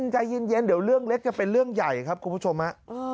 ใจเย็นเดี๋ยวเรื่องเล็กจะเป็นเรื่องใหญ่ครับคุณผู้ชมฮะ